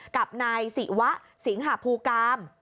กับนายศิวะสิงหาภูกาม